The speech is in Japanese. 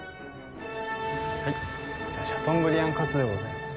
はいこちらシャ豚ブリアンかつでございます。